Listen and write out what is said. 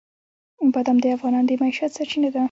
بادام د افغانانو د معیشت سرچینه ده.